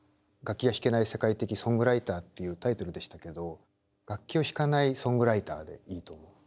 「楽器が弾けない世界的ソングライター」っていうタイトルでしたけど「楽器を弾かないソングライター」でいいと思う。